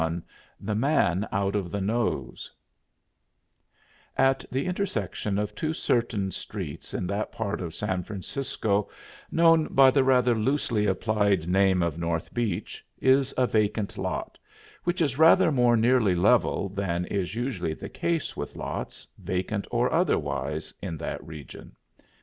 CIVILIANS THE MAN OUT OF THE NOSE At the intersection of two certain streets in that part of San Francisco known by the rather loosely applied name of North Beach, is a vacant lot, which is rather more nearly level than is usually the case with lots, vacant or otherwise, in that region.